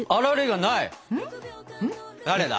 誰だ？